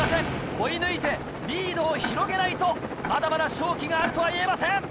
追い抜いてリードを広げないとまだまだ勝機があるとは言えません。